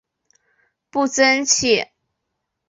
步曾槭